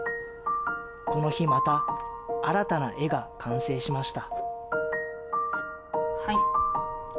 この日また、新たな絵が完成しました。